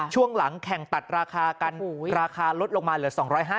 ช่วงหลังแข่งตัดราคากันราคาลดลงมาเหลือ๒๕๐